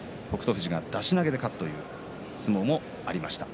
富士が出し投げで勝つという相撲もありました。